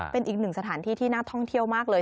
เป็นอีกหนึ่งสถานที่ที่น่าท่องเที่ยวมากเลย